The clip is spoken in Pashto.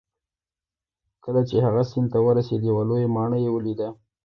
کله چې هغه سیند ته ورسید یوه لویه ماڼۍ یې ولیده.